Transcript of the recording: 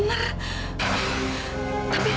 jangan jangan amirah diculik nih